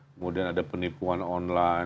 kemudian ada penipuan online